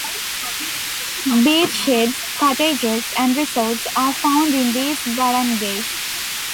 Beach shades, cottages and resorts are found in these barangays.